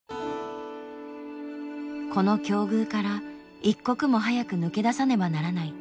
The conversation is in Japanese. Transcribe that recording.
この境遇から一刻も早く抜け出さねばならない。